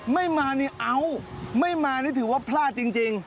ไม่มานี่เอาไม่มานี่ถือว่าพลาดจริง